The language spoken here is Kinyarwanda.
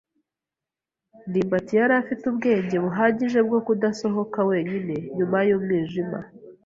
ndimbati yari afite ubwenge buhagije bwo kudasohoka wenyine nyuma y'umwijima.